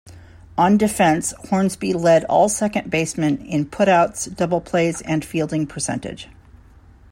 On defense, Hornsby led all second basemen in putouts, double plays, and fielding percentage.